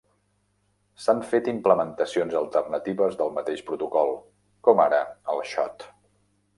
S'han fet implementacions alternatives del mateix protocol, com ara el Xot.